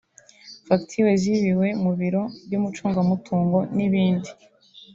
facture zibiwe mu biro by’umucungamutungo n’ibindi